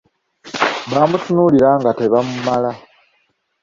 Baamutunuulira nga tebamumala.